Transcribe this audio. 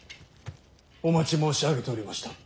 お待ち申し上げておりました。